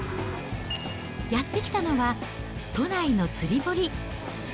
やって来たのは都内の釣り堀。